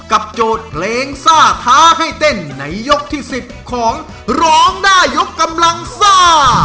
โจทย์เพลงซ่าท้าให้เต้นในยกที่๑๐ของร้องได้ยกกำลังซ่า